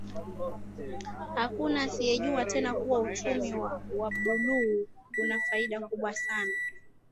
Hakuna asiyejua tena kuwa uchumi wa Buluu una faida kubwa sana